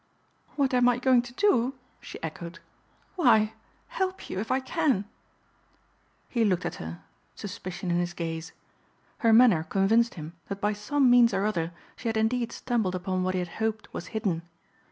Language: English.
"What am I going to do?" she echoed. "Why help you if I can." He looked at her, suspicion in his gaze. Her manner convinced him that by some means or other she had indeed stumbled upon what he had hoped was hidden.